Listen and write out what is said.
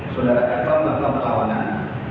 saudara eva melakukan perlawanan